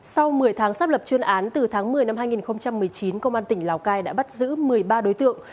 sau một mươi tháng xác lập chuyên án từ tháng một mươi năm hai nghìn một mươi chín công an tỉnh lào cai đã bắt giữ một mươi ba đối tượng